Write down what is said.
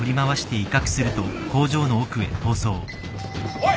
おい。